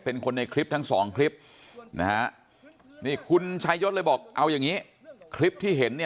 เป็นคนในคลิปทั้ง๒คลิปคุณชายศเลยบอกเอาอย่างนี้คลิปที่เห็น